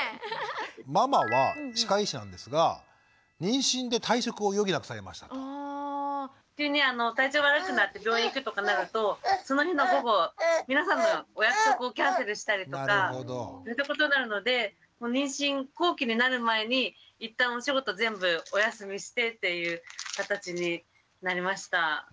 ママは歯科医師なんですが急に体調悪くなって病院行くとかなるとその日の午後皆さんのお約束をキャンセルしたりとかそういったことになるので妊娠後期になる前に一旦お仕事全部お休みしてっていう形になりました。